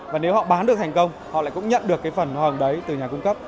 và nếu họ bán được thành công họ lại cũng nhận được phần hoàng đấy từ nhà cung cấp